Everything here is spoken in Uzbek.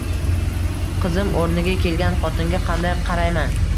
Qizim o'rniga kelgan xotinga qanday qarayman?!